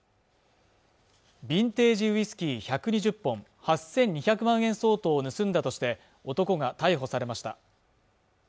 ビンテージウイスキー１２０本８２００万円相当を盗んだとして男が逮捕されました